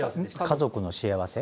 家族の幸せ。